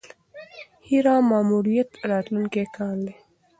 هیرا ماموریت راتلونکی کال دی.